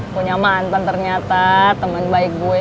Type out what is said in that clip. punya mantan ternyata teman baik gue